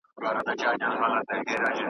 مات به د پانوس کړو نامحرمه دوږخي سکوت .